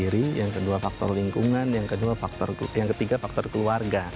karena three factors yang kucing menurut saya adalah